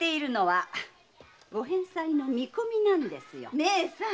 義姉さん